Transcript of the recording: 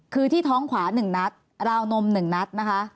คือที่ท้องขวา๑นัดราวนม๑นัดนะคะ